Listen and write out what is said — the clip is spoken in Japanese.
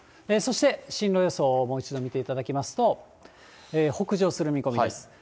そして進路予想をもう一度見ていただきますと、北上する見込みです。